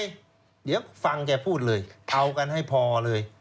เป็นยังไงเดี๋ยวฟังแกพูดเลยเอากันให้พอเลย